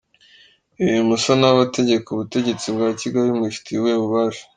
Ibi musa n’abategeka ubutegetsi bwa Kigali, mubifitiye ubuhe bubasha ?